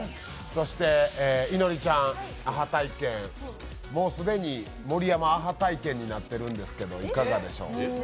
そして、いのりちゃん、アハ体験、もう既に盛山アハ体験になってるんですけど、いかがでしょう？